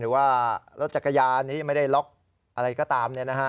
หรือว่ารถจักรยานที่ไม่ได้ล็อกอะไรก็ตามเนี่ยนะฮะ